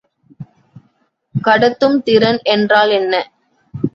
கடத்தும் திறன் என்றால் என்ன?